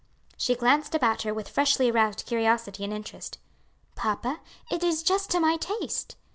She glanced about her with freshly aroused curiosity and interest. "Papa, it is just to my taste!"